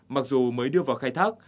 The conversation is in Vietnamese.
mặc dù mới đưa vào khai thác